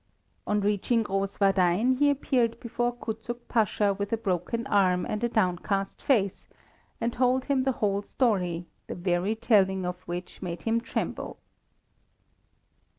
On reaching Grosswardein, he appeared before Kuczuk Pasha with a broken arm and a downcast face, and told him the whole story, the very telling of which made him tremble.